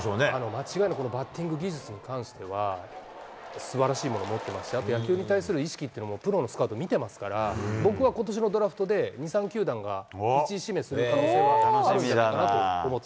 間違いなく、このバッティング技術に関しては、すばらしいものを持ってますし、あと野球に対する意識っていうのも、プロのスカウト見てますから、僕は、ことしのドラフトで２、３球団が１位指名する可能性があ楽しみ。